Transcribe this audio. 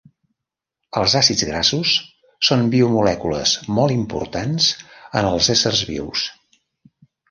Els àcids grassos són biomolècules molt importants en els éssers vius.